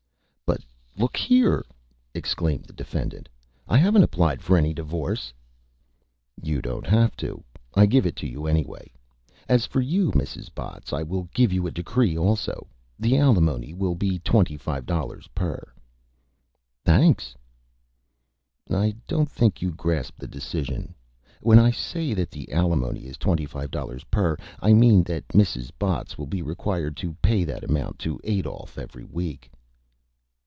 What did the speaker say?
"But look here!" exclaimed the Defendant, "I haven't applied for any Divorce." "You don't have to. I give it to you anyway. As for you, Mrs. Botts, I will give you a Decree also. The Alimony will be $25 per." "Thanks." "I don't think you grasp the Decision. When I say that the Alimony is $25 per, I mean that Mrs. Botts will be required to pay that Amount to Adolph every week."